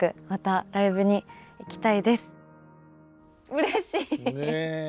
うれしい。